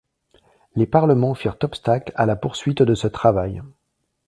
Les Parlements firent obstacle à la poursuite de ce travail.